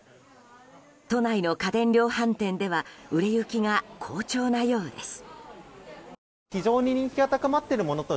都内の家電量販店では売れ行きが好調なようです。